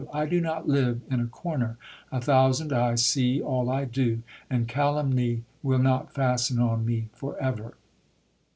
I do not live in a corner; a thousand eyes see all I do, and calumny will not fasten on me for ever."